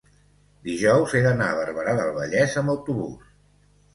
dijous he d'anar a Barberà del Vallès amb autobús.